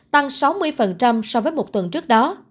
tăng sáu mươi so với một tuần trước đó